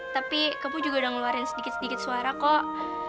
tapi kamu juga udah ngeluarin sedikit sedikit suara kok